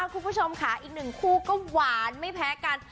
คุณผู้ชมค่ะอีกหนึ่งคู่ก็หวานไม่แพ้กัน